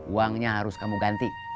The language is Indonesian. uangnya harus kamu ganti